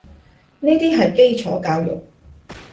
呢啲係基礎教育